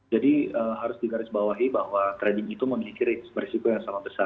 jadi harus digarisbawahi bahwa trading itu memiliki risiko yang sangat besar